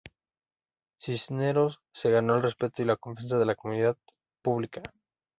Cisneros se ganó el respeto y la confianza de la comunidad pública"".